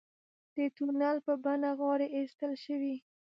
د تونل په بڼه غارې ایستل شوي.